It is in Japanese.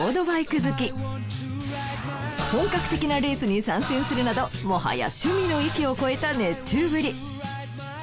本格的なレースに参戦するなどもはや趣味の域を超えた熱中ぶり。